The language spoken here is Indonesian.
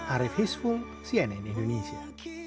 arief hisfung cnn indonesia